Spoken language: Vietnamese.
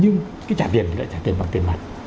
nhưng cái trả tiền thì lại trả tiền bằng tiền mặt